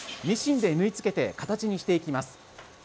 ミシンで縫い付けて、形にしていきます。